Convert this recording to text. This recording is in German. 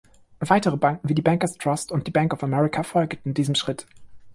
Weitere Banken wie die Bankers Trust und die Bank of America folgten diesem Schritt.